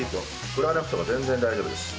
振らなくても全然大丈夫です。